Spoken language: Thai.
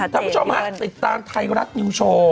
คุณผู้ชมฮะติดตามไทยรัฐนิวโชว์